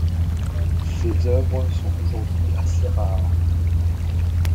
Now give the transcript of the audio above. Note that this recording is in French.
Ses œuvres sont aujourd'hui assez rares.